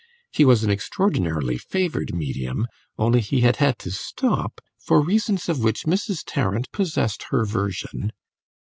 (He was an extraordinarily favoured medium, only he had had to stop for reasons of which Mrs. Tarrant possessed her version.)